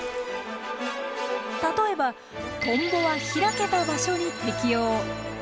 例えばトンボは開けた場所に適応。